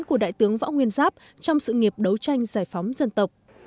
của đại tướng võ nguyên giáp trong sự nghiệp đấu tranh giải phóng dân tộc